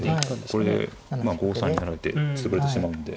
これで５三に成られて潰れてしまうんで。